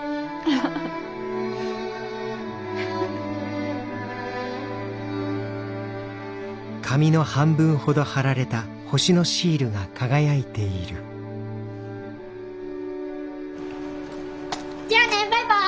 フフ！じゃあねバイバイ！